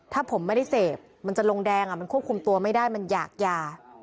ถ้าผมไม่ได้เสพมันจะลงแดงมันควบคุมตัวไม่ได้มันอยากยา